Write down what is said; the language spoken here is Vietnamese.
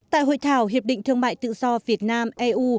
tại hội thảo hiệp định thương mại tự do việt nam eu